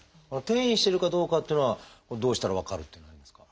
転移してるかどうかっていうのはどうしたら分かるというのはありますか？